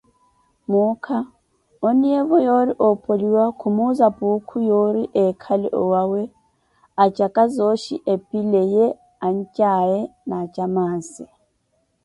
Muukha, ooniyeevo yoori oopoliwa, khumuuza Puukhu yoori eekhale owawe, acaka zooxhi epile ye ancaawe na acamaaze.